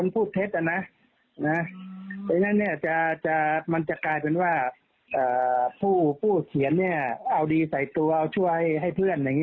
ผู้เขียนเอาดีใส่ตัวช่วยให้เพื่อน